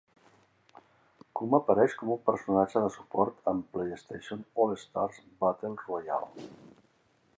Kuma apareix com un personatge de suport en "PlayStation All-Stars Battle Royale".